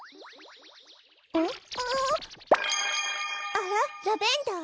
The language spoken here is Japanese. あらラベンダー？